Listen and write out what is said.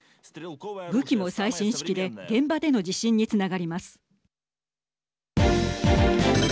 武器も最新式で現場での自信につながります。